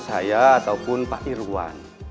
saya ataupun pak irwan